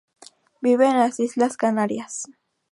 Vive en las Islas Canarias.